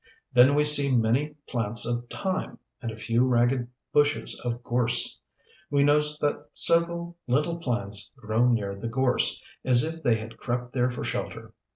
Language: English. Then we see many plants of Thyme, and a few ragged bushes of Gorse. We notice that several little plants grow near the Gorse, as if they had crept there for shelter.